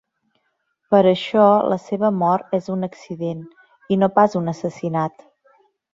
Per això la seva mort és un accident, i no pas un assassinat.